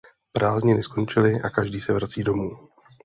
Prázdniny skončily a každý se vrací domů.